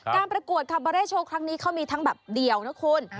การประกวดคาร์บาเร่โชว์ครั้งนี้เขามีทั้งแบบเดี่ยวนะคุณ